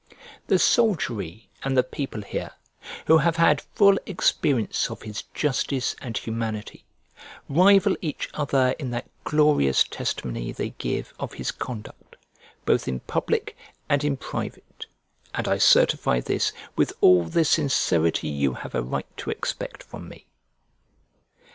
The soldiery and the people here, who have had full experience of his justice and humanity, rival each other in that glorious testimony they give of his conduct, both in public and in private; and I certify this with all the sincerity you have a right to expect from me.